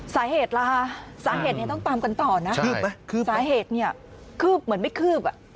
สาเหตุล่ะสาเหตุต้องตามกันต่อนะสาเหตุเนี่ยคืบเหมือนไม่คืบ